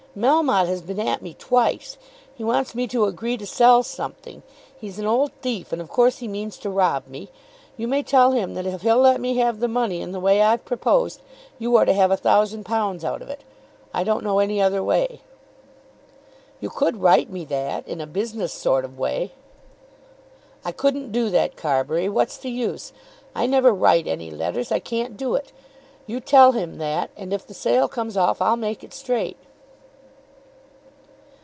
"Melmotte has been at me twice. He wants me to agree to sell something. He's an old thief, and of course he means to rob me. You may tell him that if he'll let me have the money in the way I've proposed, you are to have a thousand pounds out of it. I don't know any other way." "You could write me that, in a business sort of way." "I couldn't do that, Carbury. What's the use? I never write any letters. I can't do it. You tell him that; and if the sale comes off, I'll make it straight."